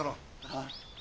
ああ。